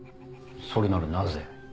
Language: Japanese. それならなぜ？